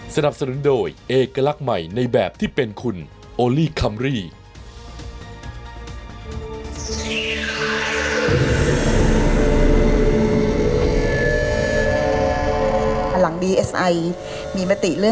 สนับสนุนโดยเอกลักษณ์ใหม่ในแบบที่เป็นคุณโอลี่คัมรี่